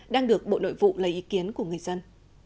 đang được bộ nội vụ lấy ý kiến của người dân